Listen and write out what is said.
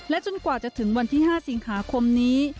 จนกว่าจะถึงวันที่๕สิงหาคมนี้